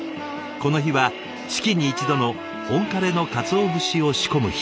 この日は月に１度の「本枯れの鰹節」を仕込む日。